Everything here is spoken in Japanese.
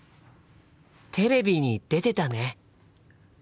テレビに出てたね。